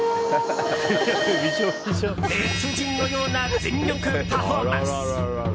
別人のような全力パフォーマンス！